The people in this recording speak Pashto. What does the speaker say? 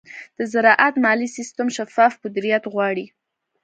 د زراعت مالي سیستم شفاف مدیریت غواړي.